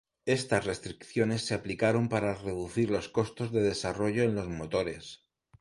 Estas restricciones se aplicaron para reducir los costos de desarrollo en los motores.